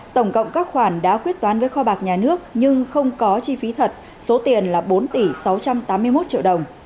tổng cộng các khoản đã quyết toán với kho bạc nhà nước nhưng không có chi phí thật số tiền là bốn tỷ sáu trăm tám mươi một triệu đồng